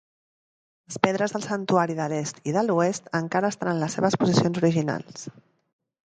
Les pedres del santuari de l'est i de l'oest encara estan en les seves posicions originals.